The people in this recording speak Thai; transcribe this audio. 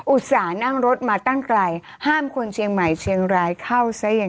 อุตส่าห์นั่งรถมาตั้งไกลห้ามคนเชียงใหม่เชียงรายเข้าซะอย่าง